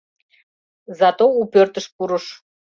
Зато у пӧртыш пурыш.